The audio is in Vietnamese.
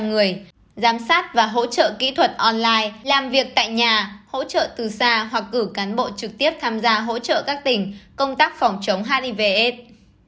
người giám sát và hỗ trợ kỹ thuật online làm việc tại nhà hỗ trợ từ xa hoặc cử cán bộ trực tiếp tham gia hỗ trợ các tỉnh công tác phòng chống hiv aids